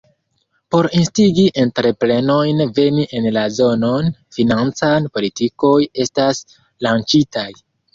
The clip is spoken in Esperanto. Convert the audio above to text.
Por instigi entreprenojn veni en la zonon, financaj politikoj estas lanĉitaj.